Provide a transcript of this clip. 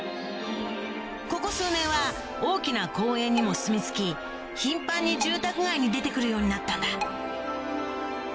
ここ数年は大きな公園にもすみ着き頻繁に住宅街に出て来るようになったんだ